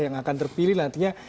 yang akan terpilih nantinya